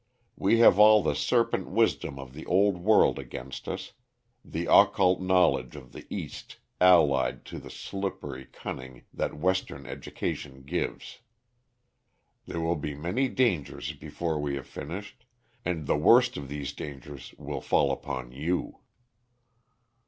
"We have all the serpent wisdom of the Old World against us, the occult knowledge of the East allied to the slippery cunning that Western education gives. There will be many dangers before we have finished, and the worst of these dangers will fall upon you."